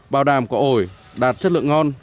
bảo đảm quả ổi đạt chất lượng ngon